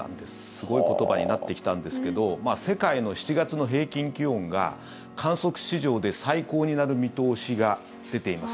すごい言葉になってきたんですけど世界の７月の平均気温が観測史上で最高になる見通しが出ています。